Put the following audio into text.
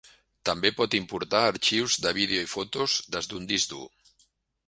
També pot importar arxius de vídeo i fotos des d'un disc dur.